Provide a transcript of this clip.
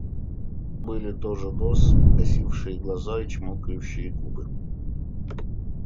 Но были тоже нос, косившие глаза и чмокающие губы.